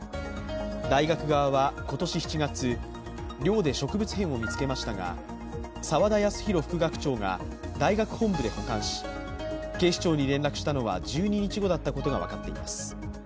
大学側は今年７月、寮で植物片を見つけましたが沢田康広副学長が大学本部で保管し警視庁に連絡したのは１２日後だったことが分かっています。